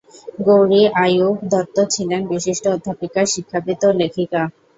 গৌরী আইয়ুব দত্ত ছিলেন বিশিষ্ট অধ্যাপিকা, শিক্ষাবিদ ও লেখিকা।